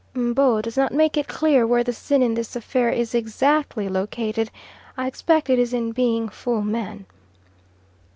M'bo does not make it clear where the sin in this affair is exactly located; I expect it is in being "fool man."